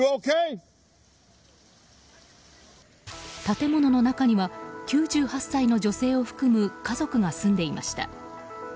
建物の中には９８歳の女性を含む家族が住んでいました。